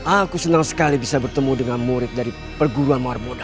aku senang sekali bisa bertemu dengan murid dari perguruan mawar muda